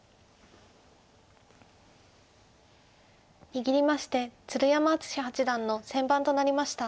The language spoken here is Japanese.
握りまして鶴山淳志八段の先番となりました。